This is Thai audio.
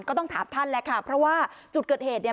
ก็ต้องถามท่านแหละค่ะเพราะว่าจุดเกิดเหตุเนี่ย